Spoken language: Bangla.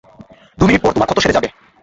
দুই মিনিট পর তোমার ক্ষত সেরে যাবে!